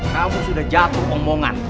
kamu sudah jatuh omongan